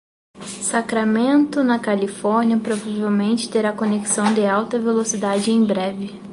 Sacramento, na Califórnia, provavelmente terá conexão de alta velocidade em breve.